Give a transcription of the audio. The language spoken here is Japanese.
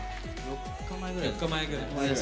４日前ぐらい。